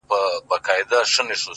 • که ما غواړی درسره به یم یارانو,